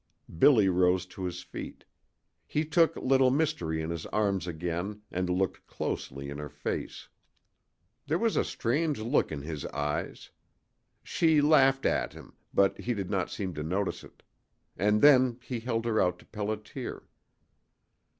Billy rose to his feet. He took Little Mystery in his arms again and looked closely in her face. There was a strange look in his eyes. She laughed at him, but he did not seem to notice it. And then he held her out to Pelliter.